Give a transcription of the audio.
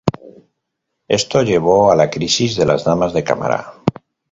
Esto llevó a la Crisis de las Damas de Cámara.